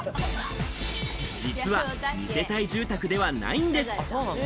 実は二世帯住宅ではないんです。